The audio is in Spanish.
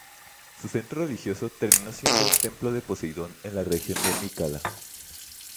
Su centro religioso terminó siendo un templo de Poseidón en la región de Mícala.